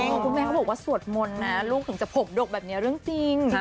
คุณแม่เขาบอกว่าสวดมนต์นะลูกถึงจะผมดกแบบนี้เรื่องจริง